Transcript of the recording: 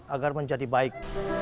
agar menjadi baik